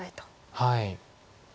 はい。